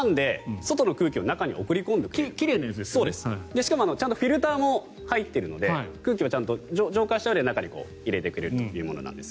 しかも、ちゃんとフィルターも入っているので空気を浄化したうえで中に入れてくれるものです。